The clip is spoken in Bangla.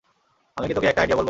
আমি কি তোকে একটা আইডিয়া বলব?